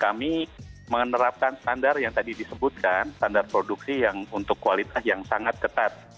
kami menerapkan standar yang tadi disebutkan standar produksi yang untuk kualitas yang sangat ketat